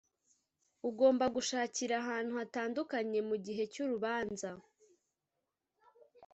ugomba gushakira ahantu hatandukanye mu gihe cy urubanza